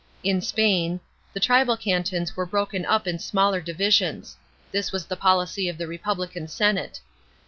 In Spain, the tribal cantons were broken up in smaller divisions; this was the policy of the republican senate.